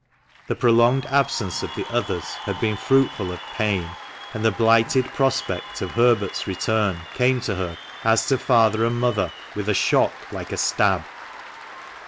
The prolonged absence of the others had been fruitful of pain, and the blighted prospect of Herbert' return came to her, as to father and mother, with a shock like a stab.